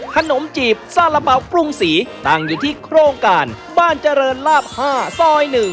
ขนมจีบซาระเป๋าปรุงศรีตั้งอยู่ที่โครงการบ้านเจริญลาบ๕ซอย๑